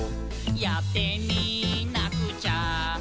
「やってみなくちゃ」